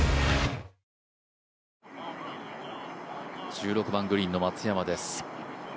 １６番グリーンの松山です。